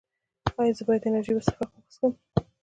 ایا زه باید انرژي څښاک وڅښم؟